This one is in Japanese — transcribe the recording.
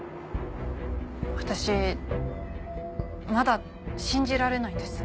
私まだ信じられないんです。